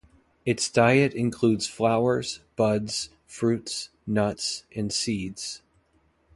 Its diet includes flowers, buds, fruits, nuts, and seeds.